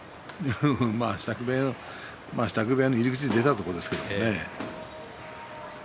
まあ支度部屋の入り口を出たところですけれどね。